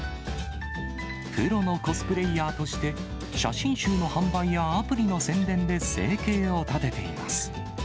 プロのコスプレイヤーとして、写真集の販売やアプリの宣伝で生計を立てています。